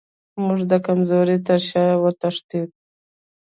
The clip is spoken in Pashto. موږ د کمزورو تر شا وتښتو.